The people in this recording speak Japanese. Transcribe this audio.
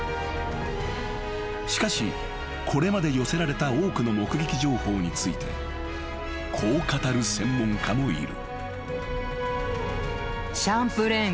［しかしこれまで寄せられた多くの目撃情報についてこう語る専門家もいる］